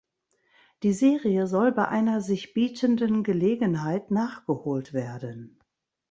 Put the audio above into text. Die Serie soll bei einer sich bietenden Gelegenheit nachgeholt werden.